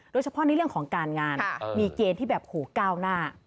โดยเฉพาะในเรื่องของการงานมีเกณฑ์ที่แบบโหก้าวหน้า